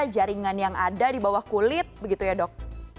jaringan yang ada di bawah kulit begitu ya dok